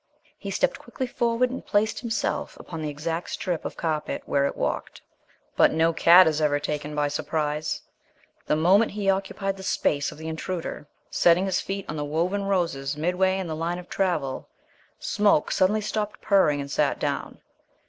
He stepped quickly forward and placed himself upon the exact strip of carpet where it walked. But no cat is ever taken by surprise! The moment he occupied the space of the Intruder, setting his feet on the woven roses midway in the line of travel, Smoke suddenly stopped purring and sat down.